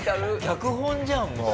脚本じゃんもう。